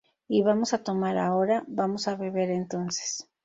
Y vamos a tomar ahora, vamos a beber entonces.